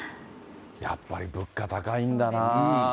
やっぱり物価高いんだなぁ。